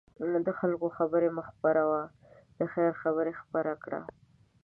د خلکو خبرې مه خپره وه، د خیر خبرې خپره کړه.